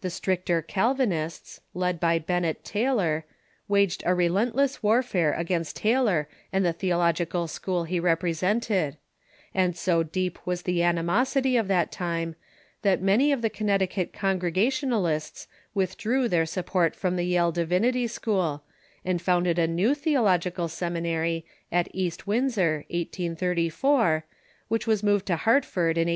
The stricter Calvinists, led by Bennet Tyler, waged a relentless warfare against Tay lor and the theological school he represented, and so deep was the animosity of that time that many of the Connecticut Con gregationalists withdrew their support from the Yale Divinity School, and founded a new theological seminary at East Windsor, 1834, which was removed to Plartford in 1865.